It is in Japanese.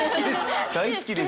好きです。